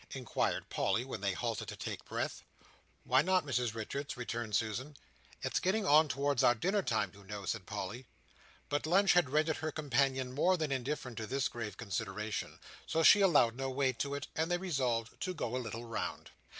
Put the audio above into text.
inquired Polly, when they halted to take breath. "Why not, Mrs Richards?" returned Susan. "It's getting on towards our dinner time you know," said Polly. But lunch had rendered her companion more than indifferent to this grave consideration, so she allowed no weight to it, and they resolved to go "a little round."